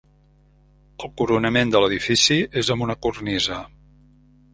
El coronament de l'edifici és amb una cornisa.